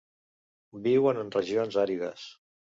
Viuen en regions àrides.